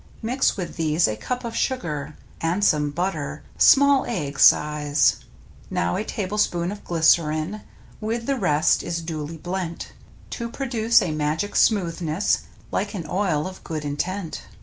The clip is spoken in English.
Mix with these a cup of sugar. And some butter — small egg size. Now a tablespoon of glycerine With the rest is duly blent, To produce a magic smoothness Like an oil of good intent.